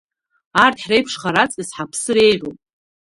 Арҭ ҳреиԥшхар ацкыс ҳаԥсыр еиӷьуп.